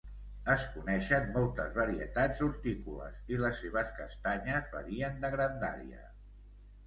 Es coneixen moltes varietats hortícoles i les seves castanyes varien de grandària.